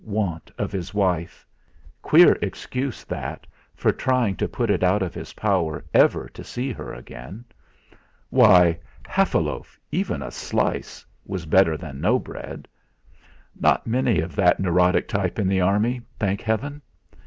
Want of his wife! queer excuse that for trying to put it out of his power ever to see her again! Why! Half a loaf, even a slice, was better than no bread. Not many of that neurotic type in the Army thank Heaven!